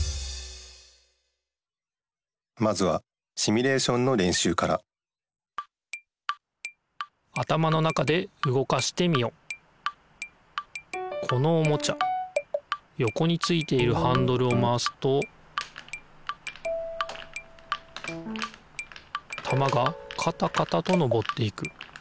まずはシミュレーションのれんしゅうからこのおもちゃよこについているハンドルをまわすとたまがカタカタとのぼっていく。